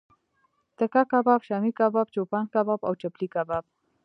تیکه کباب، شامی کباب، چوپان کباب او چپلی کباب